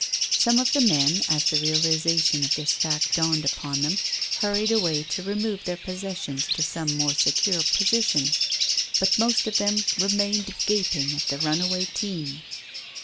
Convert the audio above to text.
Some of the men, as the realization of this fact dawned upon them, hurried away to remove their possessions to some more secure position, but most of them remained gaping at the runaway team.